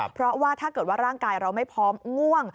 เพราะว่าถ้าเกิดว่าร่างกายเราไม่พร้อมง่วง